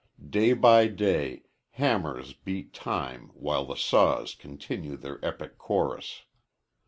Day by day hammers beat time while the saws continue their epic chorus.